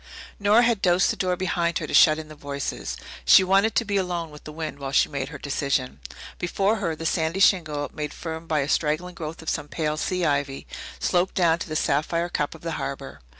Nora had dosed the door behind her to shut in the voices. She wanted to be alone with the wind while she made her decision. Before her the sandy shingle, made firm by a straggling growth of some pale sea ivy, sloped down to the sapphire cup of the harbour.